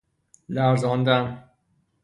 لرزاندن